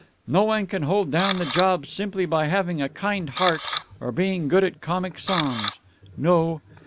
No one can hold down the job simply by having a kind heart or being good at comic songs. No.